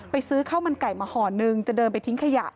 ซื้อข้าวมันไก่มาห่อนึงจะเดินไปทิ้งขยะ